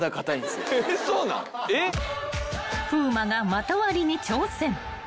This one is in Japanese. ［風磨が股割りに挑戦］